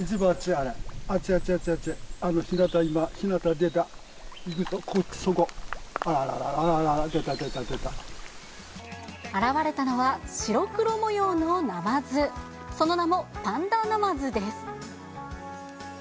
あれ、いた、現れたのは、白黒模様のナマズ、その名も、パンダナマズです。